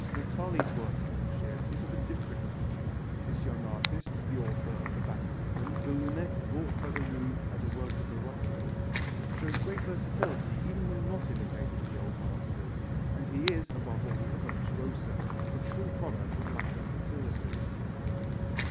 Natali's workmanship is of a different nature. This young artist the author of the Baptism, the lunette bought by the Louvre as a work of Verrocchio shows great versatility even when not imitating the old masters, and he is, above all, a virtuoso a true product of Latin facility.